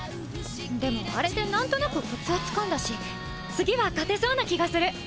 でもアレで何となくコツはつかんだし次は勝てそうな気がする！